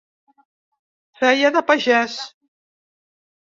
Feia de pagès.